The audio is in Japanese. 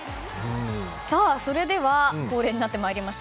それでは恒例になってまいりました